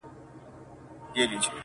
د جنت پر کوثرونو به اوبېږي٫